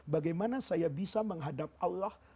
bagaimana saya bisa menghadap allah